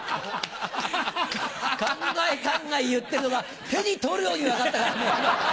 考え考え言ってるのが手に取るように分かったからね。